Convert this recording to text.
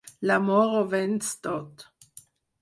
L'amor ho venç tot.